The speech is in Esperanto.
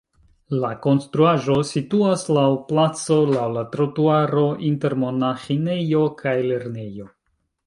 La konstruaĵo situas laŭ placo laŭ la trotuaro inter monaĥinejo kaj lernejo.